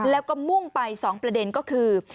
แล้วก็มุ่งไป๒ประเด็นก็คือ